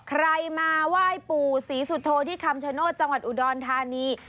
ใครมาไหว้ปู่ศรีสุโธที่คำชโนธจังหวัดอุดรธานี